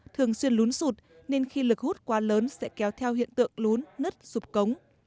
thường xuyên lún sụt nên khi lực hút quá lớn sẽ kéo theo hiện tượng lún nứt sụp cống